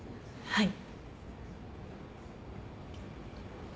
はい。